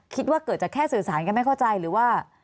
คิดว่าเกิดจากแค่สื่อสารกันไม่เข้าใจหรือว่า